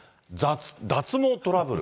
脱毛トラブル。